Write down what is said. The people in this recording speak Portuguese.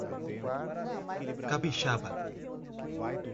Capixaba